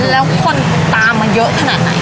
แล้วคนตามมาเยอะขนาดไหน